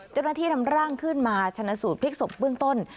เจ้าหน้าที่นำร่างขึ้นมาชนะสูตรพลิกศพเบื้องต้น